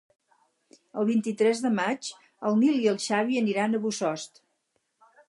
El vint-i-tres de maig en Nil i en Xavi aniran a Bossòst.